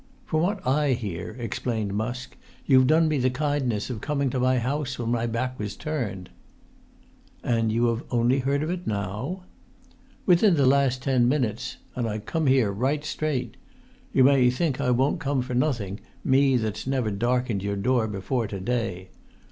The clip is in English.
"From what I hear," explained Musk, "you've done me the kindness of coming to my house when my back was turned." "And you have only heard of it now?" "Within the last ten minutes; and I come here right straight. You may think I wouldn't come for nothing, me that's never darkened your door before to day.